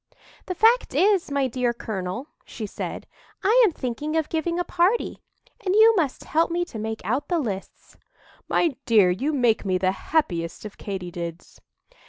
"The fact is, my dear colonel," she said, "I am thinking of giving a party, and you must help me to make out the lists." "My dear, you make me the happiest of Katy dids."